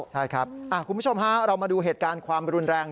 ใช่ครับคุณผู้ชมฮะเรามาดูเหตุการณ์ความรุนแรง